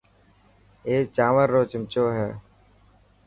اي چانور رو چمچو هي.